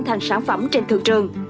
thành sản phẩm trên thường trường